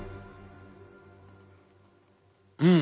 うん！